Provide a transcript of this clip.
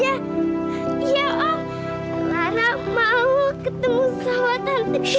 iya om lara mau ketemu sama tante dewi